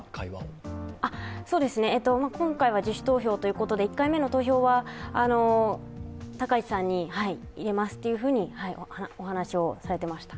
今回は自主投票ということで１回目の投票は高市さんに入れますとお話をされていました。